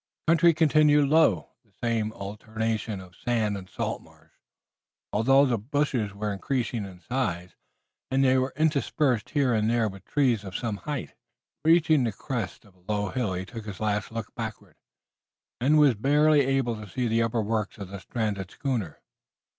The country continued low, the same alternation of sand and salt marsh, although the bushes were increasing in size, and they were interspersed here and there with trees of some height. Reaching the crest of a low hill he took his last look backward, and was barely able to see the upper works of the stranded schooner.